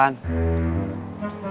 saya enggak ada yang kenal